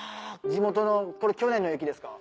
地元のこれ去年の雪ですか？